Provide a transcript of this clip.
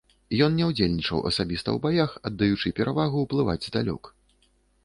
Ён не ўдзельнічаў асабіста ў баях, аддаючы перавагу ўплываць здалёк.